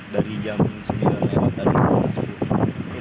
dari jam sembilan tadi